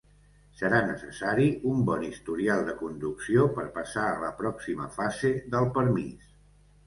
Serà necessari un bon historial de conducció per passar a la pròxima fase del permís.